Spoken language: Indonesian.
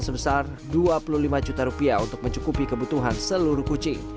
sebesar dua puluh lima juta rupiah untuk mencukupi kebutuhan seluruh kucing